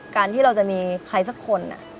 การที่เราจะมีใครสักคน